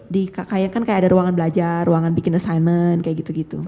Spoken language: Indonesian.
di kkn kan kayak ada ruangan belajar ruangan bikin assignment kayak gitu gitu